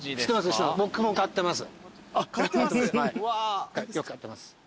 よく買ってます。